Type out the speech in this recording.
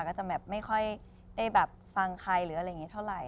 ก็จะแบบไม่ค่อยได้แบบฟังใครหรืออะไรอย่างนี้เท่าไหร่